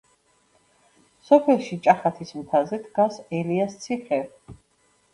სოფელში, ჭახათის მთაზე დგას ელიას ციხე.